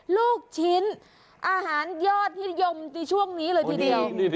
ลูกชิ้นอาหารยอดนิยมในช่วงนี้เลยทีเดียว